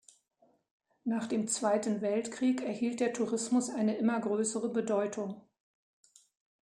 Nach dem Zweiten Weltkrieg erhielt der Tourismus eine immer größere Bedeutung.